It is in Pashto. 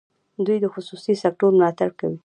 دوی د خصوصي سکټور ملاتړ کوي.